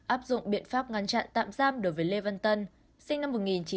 áp dụng biện pháp ngăn chặn tạm giam đối với lê văn tân sinh năm một nghìn chín trăm tám mươi